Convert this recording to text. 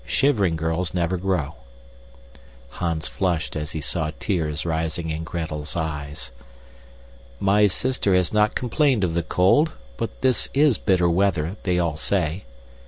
Shivering girls never grow." Hans flushed as he saw tears rising in Gretel's eyes. "My sister has not complained of the cold, but this is bitter weather, they all say."